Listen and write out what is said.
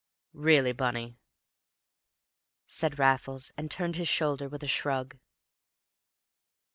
"Really, Bunny!" said Raffles, and turned his shoulder with a shrug.